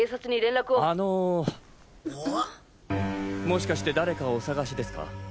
もしかして誰かお捜しですか？